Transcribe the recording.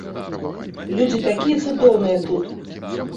Людзі такія цудоўныя тут!